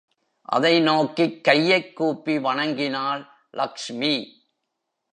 அதை நோக்கிக் கையைக் கூப்பி வணங்கினாள் லக்ஷ்மி.